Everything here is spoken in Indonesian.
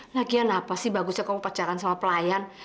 lagian apa sih bagusnya kamu pacaran sama pelayan